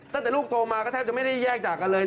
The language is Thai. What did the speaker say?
ตั้งแต่ลูกโตมาก็แทบจะไม่ได้แยกจากกันเลย